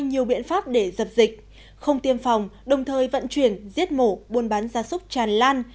nhiều biện pháp để dập dịch không tiêm phòng đồng thời vận chuyển giết mổ buôn bán gia súc tràn lan